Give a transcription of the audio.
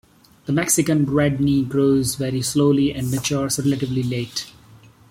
The Mexican redknee grows very slowly and matures relatively late.